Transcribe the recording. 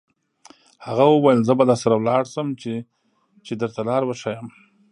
هغه وویل: زه به درسره ولاړ شم، چې درته لار وښیم.